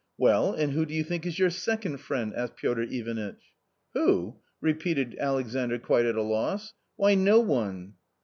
" Well, and who do you thin^c is your second friend ?" asked Piotr Ivanitch. " Who ?" repeated Alexandr quite at a loss, " why, no one."